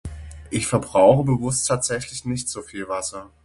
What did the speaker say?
Ich verbrauche bewusst tatsächlich nicht so viel Wasser.